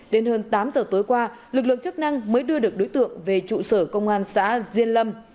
đến hơn tám giờ tối qua lực lượng chức năng mới đưa được đối tượng về trụ sở công an xã diên lâm